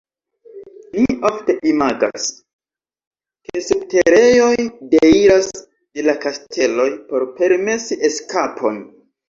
Ni ofte imagas, ke subterejoj deiras de la kasteloj por permesi eskapon.